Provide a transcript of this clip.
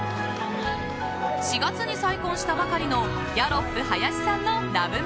４月に再婚したばかりのギャロップ林さんのＬＯＶＥ